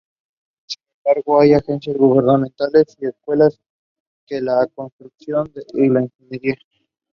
Hazon was posthumously awarded the Silver Medal of Military Valour.